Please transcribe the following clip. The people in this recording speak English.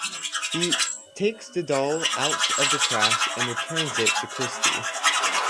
He takes the doll out of the trash and returns it to Christie.